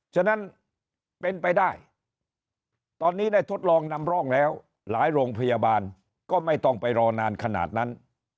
ฉะนั้นเป็นไปได้ตอนนี้ได้ทดลองนำร่องแล้วหลายโรงพยาบาลก็ไม่ต้องไปรอนานขนาดนั้น